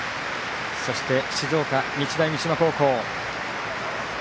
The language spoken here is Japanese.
そして、静岡・日大三島高校。